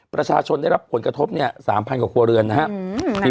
ประชาชนได้รับผลกระทบเนี่ย๓๐๐กว่าครัวเรือนนะครับ